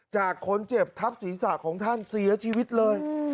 จากคนเจ็บทับศีรษะของท่านเสียชีวิตเลย